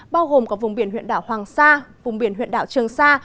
bao gồm cả vùng biển huyện đảo hoàng sa vùng biển huyện đảo trường sa